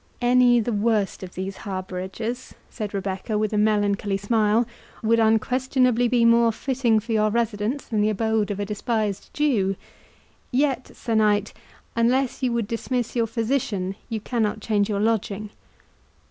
"Any, the worst of these harbourages," said Rebecca, with a melancholy smile, "would unquestionably be more fitting for your residence than the abode of a despised Jew; yet, Sir Knight, unless you would dismiss your physician, you cannot change your lodging.